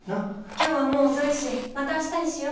今日はもう遅いしまた明日にしよう。